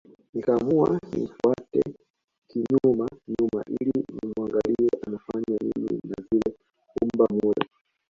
Nikaamua nimfuate kinyuma nyuma ili nimuangalie anafanya nini na zile pumba mule